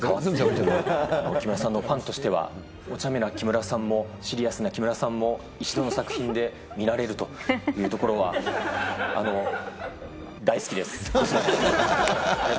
木村さんのファンとしては、おちゃめな木村さんもシリアスな木村さんも一度の作品で見られるというところは、あの、大好きです。